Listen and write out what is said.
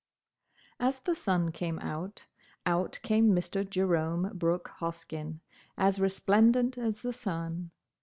As the sun came out, out came Mr. Jerome Brooke Hoskyn, as resplendent as the sun.